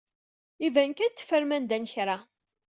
Iban kan teffrem anda n kra.